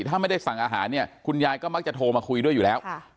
ถ้าไม่ได้สั่งอาหารเนี่ยคุณยายก็มักจะโทรมาคุยด้วยอยู่แล้ว